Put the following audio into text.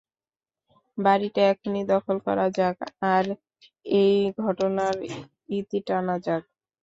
বাড়িটা এখনই দখল করা যাক আর এই ঘটনার ইতি টানা যাক।